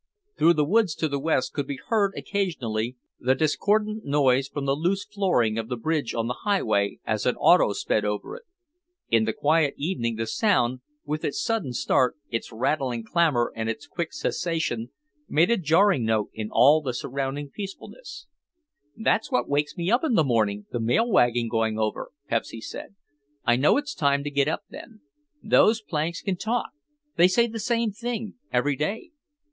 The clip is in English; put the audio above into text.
Through the woods to the west could be heard occasionally the discordant noise from the loose flooring of the bridge on the highway as an auto sped over it. In the quiet evening the sound, with its sudden start, its rattling clamor and its quick cessation, made a jarring note in all the surrounding peacefulness. "That's what wakes me up in the morning, the mail wagon going over," Pepsy said; "I know it's time to get up then. Those planks can talk, they say the same thing every day.